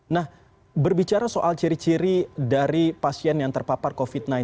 nah berbicara soal ciri ciri dari pasien yang terpapar covid sembilan belas